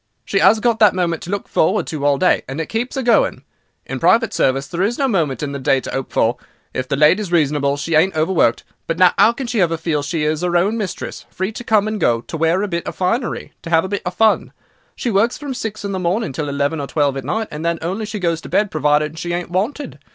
She 'as got that moment to look forward to all day, and it keeps 'er going. In private service there's no moment in the day to 'ope for. If the lady is reasonable she ain't overworked; but no 'ow can she ever feel she is her own mistress, free to come and go, to wear 'er bit of finery, to 'ave 'er bit of fun. She works from six in the morning till eleven or twelve at night, and then she only goes to bed provided she ain't wanted.